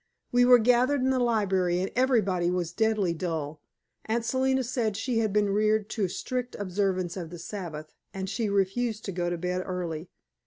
We were gathered in the library, and everybody was deadly dull. Aunt Selina said she had been reared to a strict observance of the Sabbath, and she refused to go to bed early.